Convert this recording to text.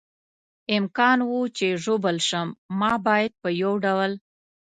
امکان و، چې ژوبل شم، ما باید په یو ډول.